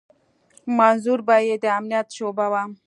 منظور به يې د امنيت شعبه وه.